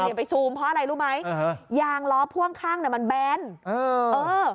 เดี๋ยวไปซูมเพราะอะไรรู้ไหมอย่างล้อพ่วงข้างเนี้ยมันแบนเออ